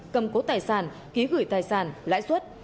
cầm cố tài sản ký gửi tài sản lãi suất